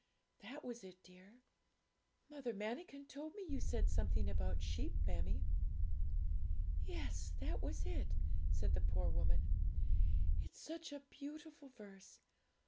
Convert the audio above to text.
That was it, dear.' 'Mother Manikin told me you said something about sheep, mammie.' 'Yes, that was it,' said the poor woman; 'it's such a beautiful verse!